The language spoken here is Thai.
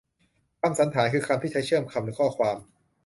คำสันธาน คือคำที่ใช้เชื่อมคำหรือข้อความ